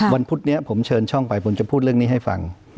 พุธนี้ผมเชิญช่องไปผมจะพูดเรื่องนี้ให้ฟัง